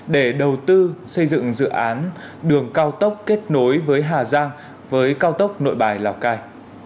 để đầu tư xây dựng dự án đường cao tốc kết nối với hà giang với cao tốc nội bài lào cai